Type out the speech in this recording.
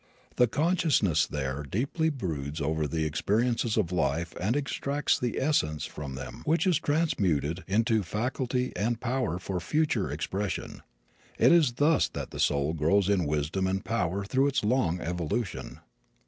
The consciousness there deeply broods over the experiences of life and extracts the essence from them which is transmuted into faculty and power for future greater expression. It is thus that the soul grows in wisdom and power through its long evolution.